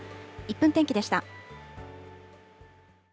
１分天気でした。